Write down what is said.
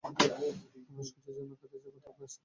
আমরা সোজা জ্যামাইকাতে যাবো, তারপর স্থানীয় হাসপাতালে যাবো।